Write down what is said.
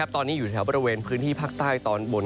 ตอนนี้อยู่แถวบริเวณพื้นที่ภาคใต้ตอนบน